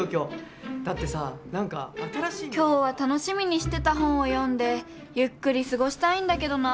今日は楽しみにしてた本を読んでゆっくり過ごしたいんだけどな。